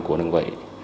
của nâng vệ